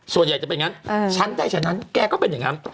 ส่วนใหญ่จะเป็นอย่างนั้นฉันได้ฉันนั้นแกก็เป็นอย่างนั้น